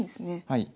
はい。